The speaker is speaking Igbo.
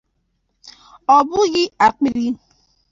ọ bụghị akpịrị